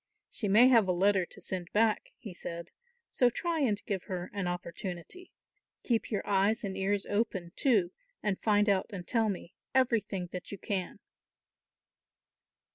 "She may have a letter to send back," he said, "so try and give her an opportunity. Keep your eyes and ears open too, and find out and tell me everything that you can."